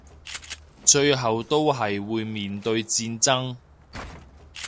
最後都係會面對戰爭